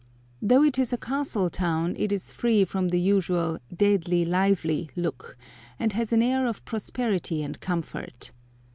Though it is a castle town, it is free from the usual "deadly lively" look, and has an air of prosperity and comfort.